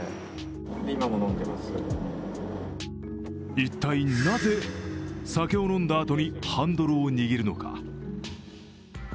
一体なぜ酒を飲んだあとにハンドルを握るのか。